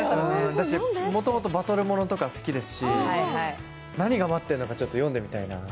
もともとバトルものとか好きですし、何が待ってるのか、ちょっと読んでみたいな。